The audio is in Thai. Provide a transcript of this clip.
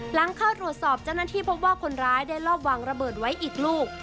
หลังเข้าตรวจสอบเจ้าหน้าที่พบว่าคนร้ายได้รอบวางระเบิดไว้อีกลูก